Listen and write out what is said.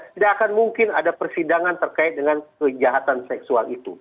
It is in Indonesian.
tidak akan mungkin ada persidangan terkait dengan kejahatan seksual itu